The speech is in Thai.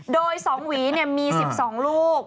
โดย๒หวีมี๑๒ลูก